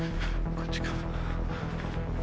こっちか。